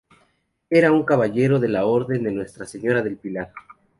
Era caballero de la orden de Nuestra Señora del Pilar.